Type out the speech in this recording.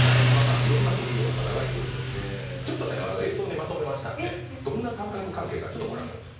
ちょっとね映像にまとめましたのでどんな三角関係かちょっとご覧ください。